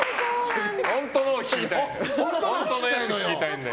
本当のを聞きたいのよ。